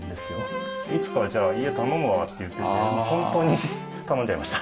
いつかじゃあ家頼むわって言ってて本当に頼んじゃいました。